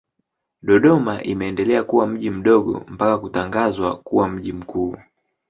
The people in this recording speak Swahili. Dodoma imeendelea kuwa mji mdogo mpaka kutangazwa kuwa mji mkuu.